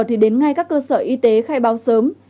thì đến ngay các cơ sở y tế khai báo sớm